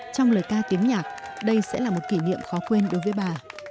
trong lời ca tiếng nhạc đây sẽ là một kỷ niệm khó quên đối với bà